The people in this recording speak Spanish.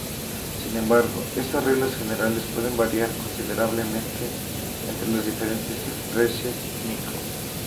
Sin embargo, estas reglas generales pueden variar considerablemente entre las diferentes especies "Mico".